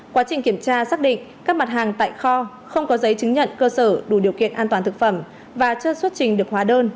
quá trình kiểm tra xác định các mặt hàng tại kho không có giấy chứng nhận cơ sở đủ điều kiện an toàn thực phẩm và chưa xuất trình được hóa đơn